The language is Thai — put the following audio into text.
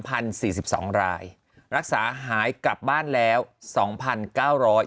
สี่สิบสองรายรักษาหายกลับบ้านแล้วสองพันเก้าร้อย